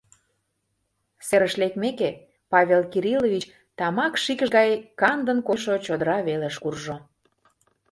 Серыш лекмеке, Павел Кириллович тамак шикш гай кандын койшо чодыра велыш куржо.